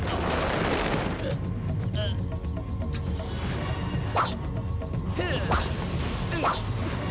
sekarang bukan saya sahaja kasar kasar dengan suji